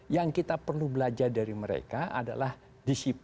yang kita perlu belajar dari mereka adalah disiplin